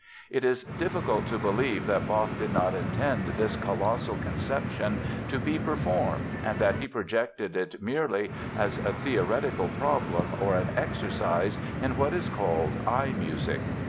It is difficult to believe that Bach did not intend this colossal conception to be performed and that he projected it merely as a theoretical problem or an exercise in what is called "eye music."